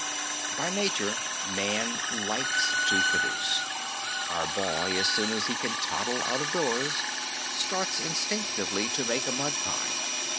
By nature man likes to produce. Our boy, as soon as he can toddle out of doors, starts instinctively to make a mud pie.